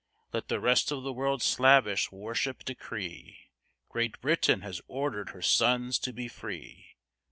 Let the rest of the world slavish worship decree, Great Britain has ordered her sons to be free.